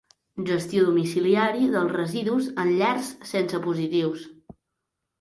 Gestió domiciliària dels residus en llars sense positius.